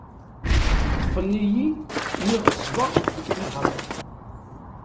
Ṭṭfen-iyi mi ɣeṣbeɣ deg tnehrawt.